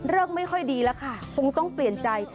ไม่ค่อยดีแล้วค่ะคงต้องเปลี่ยนใจ